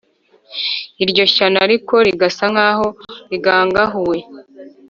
iryo shyano ariko rigasa nk’aho rigangahuwe